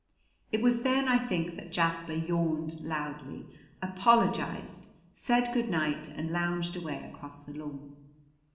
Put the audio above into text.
It was then, I think, that Jasper yawned loudly, apologized, said good night and lounged away across the lawn.